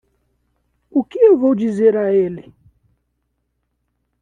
O que eu vou dizer a ele?